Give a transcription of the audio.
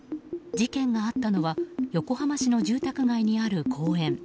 事件があったのは横浜市の住宅街にある公園。